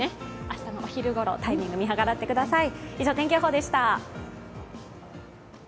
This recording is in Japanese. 明日のお昼ごろ、タイミングを見計らってください。